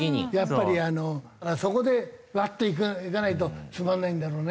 やっぱりそこでワッといかないとつまらないんだろうね。